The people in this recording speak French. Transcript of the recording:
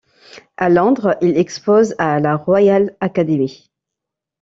À Londres, il expose à la Royal Academy.